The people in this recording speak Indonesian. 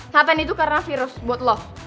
nathan itu karena virus buat lo